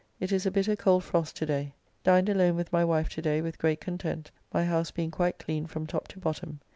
It is a bitter cold frost to day. Dined alone with my wife to day with great content, my house being quite clean from top to bottom.